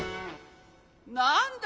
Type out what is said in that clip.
なんだ？